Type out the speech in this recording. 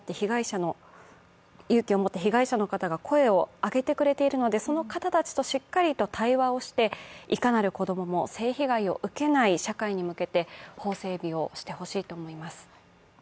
勇気を持って被害者の方が声を上げてくれているので、その方たちと、しっかりと対話をしていかなる子供も性被害を受けない社会に向けて法整備をしてほしいと思います。